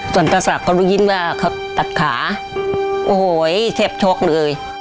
สันตสักก็รู้ยินว่าเขาตัดขาโอ้โหเทพชกเลย